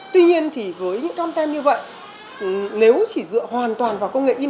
tuy nhiên thì với những con tem như vậy nếu chỉ dựa hoàn toàn vào công nghệ in